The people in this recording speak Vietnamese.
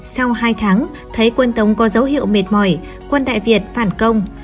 sau hai tháng thấy quân tống có dấu hiệu mệt mỏi quân đại việt phản công